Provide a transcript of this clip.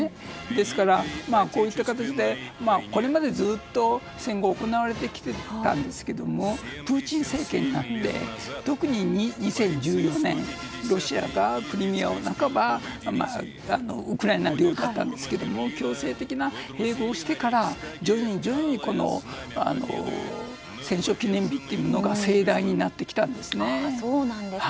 ですから、こういった形でこれまでずっと戦後行われてきていたんですがプーチン政権になって特に２０１４年ロシアがクリミアをウクライナ領だったんですが強制的な併合をしてから１０年、１２年と戦勝記念日が徐々に盛大になってきたんですね。